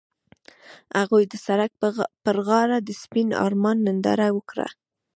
هغوی د سړک پر غاړه د سپین آرمان ننداره وکړه.